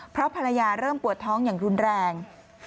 เพราะภรรยาเริ่มปวดท้องอย่างรุนแรง